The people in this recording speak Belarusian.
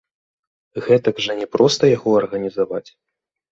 Гэтак жа не проста яго арганізаваць.